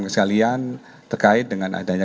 sekalian terkait dengan adanya